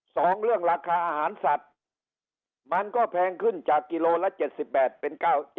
สองเรื่องราคาอาหารสัตว์มันก็แพงขึ้นจากกิโลละ๗๘เป็น๙๗